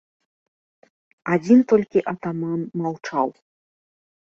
Адзін толькі атаман маўчаў.